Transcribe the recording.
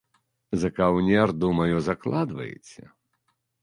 За каўнер, думаю, закладваеце?